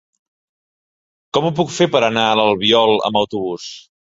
Com ho puc fer per anar a l'Albiol amb autobús?